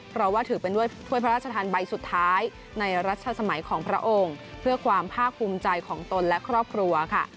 เพราะว่าถือเป็นถ้วยพระราชทานใบสุดท้ายในรัชสมัยของพระองค์เพื่อความภาคภูมิใจของตนและครอบครัวค่ะ